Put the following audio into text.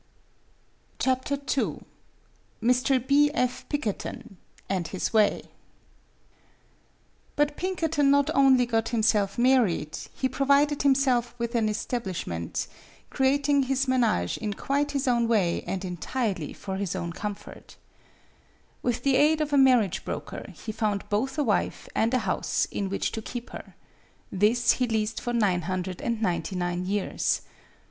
MADAME BUTTERFLY MR. B. F. PIKKERTON AND HIS WAY BUT Pinkerton not only got himself mar ried; he provided himself with an establish mentcreating his menage in quite his own way and entirely for his own comfort. . With the aid of a marriage broker, he found both a wife and a house in which to keep her. This he leased for nine hundred and ninety nine years.